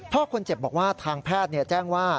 พ่อคนเจ็บบอกว่าทางแพทย์แจ้งว่า